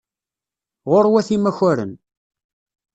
Γurwat imakaren.